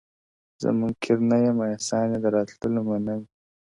زه منکر نه یمه احسان یې د راتللو منم!.